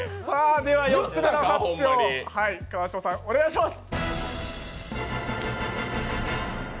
では４つ目の発表、川島さん、お願いします。